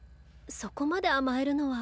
そこまで甘えるのは。